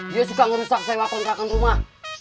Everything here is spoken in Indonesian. dia suka ngerusak sewa kontrakan rumah